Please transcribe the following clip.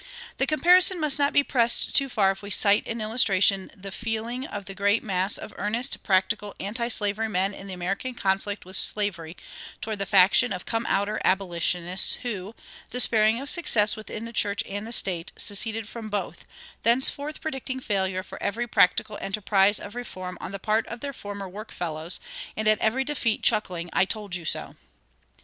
The comparison must not be pressed too far if we cite in illustration the feeling of the great mass of earnest, practical antislavery men in the American conflict with slavery toward the faction of "come outer" abolitionists, who, despairing of success within the church and the state, seceded from both, thenceforth predicting failure for every practical enterprise of reform on the part of their former workfellows, and at every defeat chuckling, "I told you so."